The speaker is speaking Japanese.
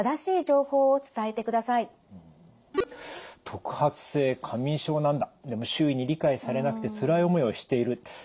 「特発性過眠症なんだでも周囲に理解されなくてつらい思いをしている」。